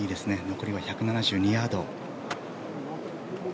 残りは１２２ヤード。